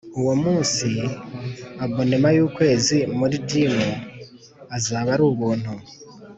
uwo munsi; abonnement y’ukwezi muri Gym azaba arubuntu